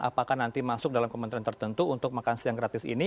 apakah nanti masuk dalam kementerian tertentu untuk makan siang gratis ini